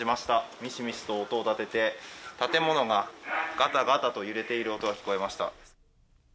みしみしと音を立てて建物がガタガタと揺れている音が聞こえました。